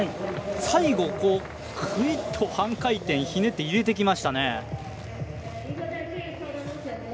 最後、くいっと半回転ひねって入れてきましたね。